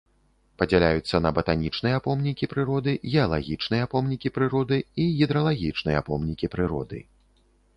Падзяляюцца на батанічныя помнікі прыроды, геалагічныя помнікі прыроды і гідралагічныя помнікі прыроды.